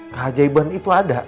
keajaiban itu ada